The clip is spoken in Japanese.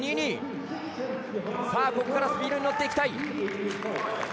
ここからスピードに乗っていきたい。